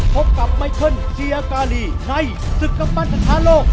พบกับไมเคิลเซียกาลีในศึกภัณฑ์ธรรมดาโลก